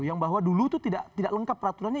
yang bahwa dulu itu tidak lengkap peraturannya